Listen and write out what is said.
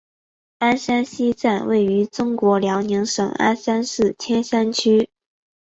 鞍山西站位于中国辽宁省鞍山市千山区。